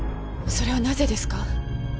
それはなぜですか？